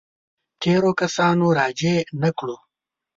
تېرو کسانو راجع نه کړو.